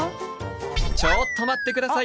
ちょっと待って下さい。